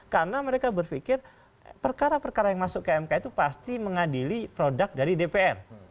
karena mereka berpikir perkara perkara yang masuk ke mk itu pasti mengadili produk dari dpr